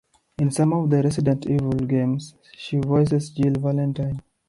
In some of the "Resident Evil" games, she voices Jill Valentine.